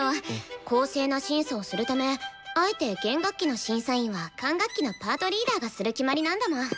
公正な審査をするためあえて弦楽器の審査員は管楽器のパートリーダーがする決まりなんだもん。